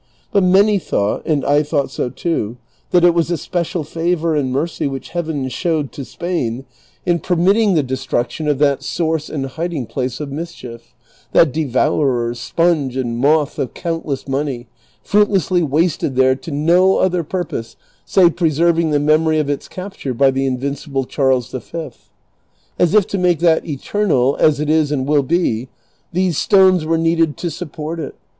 But many thought, and I thought so too, that it was a special favor and mercy which Heaven showed to Spain in pei mitting the destruction of that source and hiding place of mischief, that devourer, sponge, and moth of count less money, fruitlessly wasted there to no other purpose save pre serving the memory of its capture by the invincible Charles V. ; as if to make that eternal, as it is and will be, these stones were needed to support it.